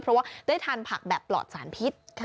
เพราะว่าได้ทานผักแบบปลอดสารพิษ